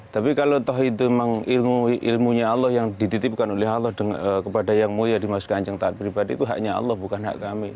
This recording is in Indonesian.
tapi kalau toh itu memang ilmunya allah yang dititipkan oleh allah kepada yang mulia dimas kanjeng taat pribadi itu haknya allah bukan hak kami